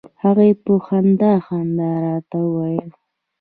هغې په خندا خندا راته وویل.